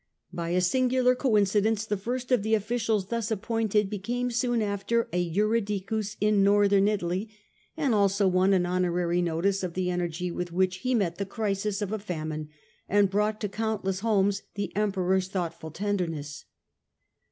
By a singular coincidence the first of the officials thus appointed became soon after a juridicus in Northern Italy, and also won an honorary notice of the energy with which he had met the crisis of a famine, and brought to countless homes the Emperor^s thoughtful tenderness.